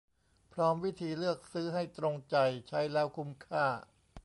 พร้อมวิธีเลือกซื้อให้ตรงใจ ใช้แล้วคุ้มค่า